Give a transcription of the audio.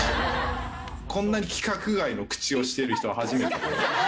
こんなに規格外の口をしている人初めて。